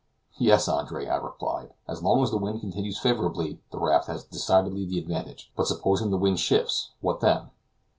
"Yes, Andre," I replied, "as long as the wind continues favorable the raft has decidedly the advantage; but supposing the wind shifts; what then?"